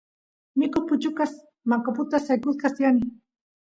mikus puchukas maqaputa saksaqa tiyani